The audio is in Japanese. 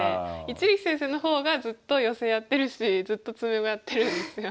一力先生の方がずっとヨセやってるしずっと詰碁やってるんですよ。